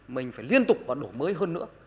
mình phải liên tục và đổi mới hơn nữa